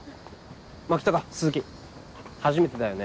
牧高鈴木初めてだよね